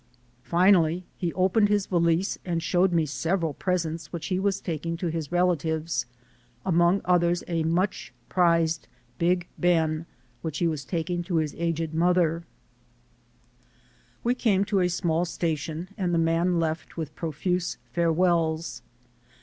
Finally, he opened his valise and showed me several presents which he was taking to his relatives, among others a much prized "Big Ben" which he was taking to his aged mother. 304 THE SOUL Of AN IMMIGRANT We came to a small station and the man left with profuse farewells.